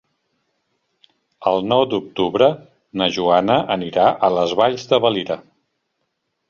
El nou d'octubre na Joana anirà a les Valls de Valira.